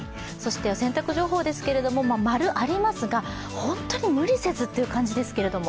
洗濯情報ですが、○ありますが本当に無理せずという感じですけれども。